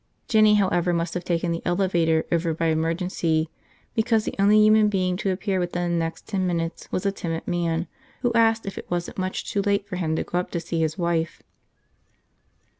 Jinny, however, must have taken the elevator over by emergency because the only human being to appear within the next ten minutes was a timid man who asked if it wasn't much too late for him to go up to see his wife.